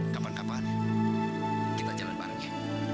kapan kapan kita jalan barengnya